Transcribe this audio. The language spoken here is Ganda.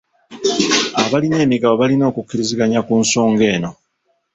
Abalina emigabo balina okukkiriziganya ku nsonga eno.